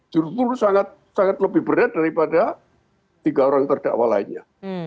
justru sangat lebih berat daripada tiga orang terdakwa lainnya